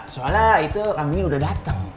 soalnya itu kambingnya udah dateng